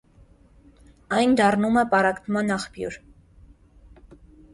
Այն դառնում է պառակտման աղբյուր։